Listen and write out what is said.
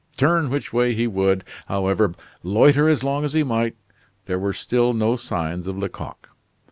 Turn which way he would, however, loiter as long as he might, there were still no signs of Lecoq.